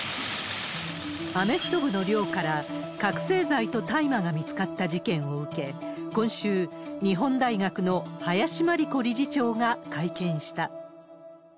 アメフト部の寮から覚醒剤と大麻が見つかった事件を受け、今週、日本大学の林真理子理事長が会見した。